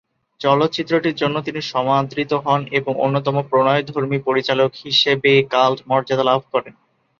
চলচ্চিত্রটির জন্য তিনি সমাদৃত হন এবং অন্যতম প্রণয়ধর্মী পরিচালক হিসেবে কাল্ট মর্যাদা লাভ করেন।